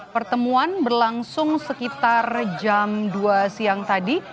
pertemuan berlangsung sekitar jam dua siang tadi